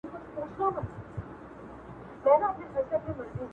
عمدتا د یوه راز بل ته وړل